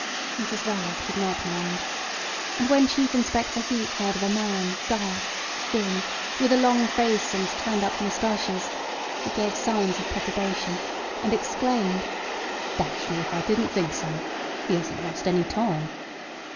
Mrs Verloc did not mind. And when Chief Inspector Heat heard of a man dark, thin, with a long face and turned up moustaches, he gave signs of perturbation, and exclaimed: "Dash me if I didn't think so! He hasn't lost any time."